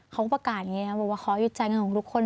เขาก็ประกาศอย่างนี้นะบอกว่าขอหยุดจ่ายเงินของทุกคน